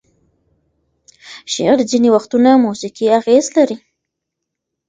شعر ځینې وختونه موزیکي اغیز لري.